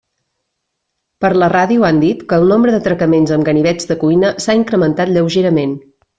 Per la ràdio han dit que el nombre d'atracaments amb ganivets de cuina s'ha incrementat lleugerament.